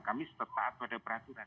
kami setetap pada peraturan